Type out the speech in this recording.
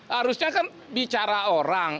harusnya kan bicara orang